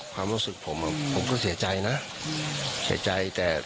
ความรู้สึกผมผมก็เสียใจนะเสียใจแต่